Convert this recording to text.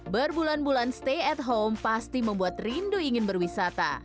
berbulan bulan stay at home pasti membuat rindu ingin berwisata